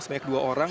semanyak dua orang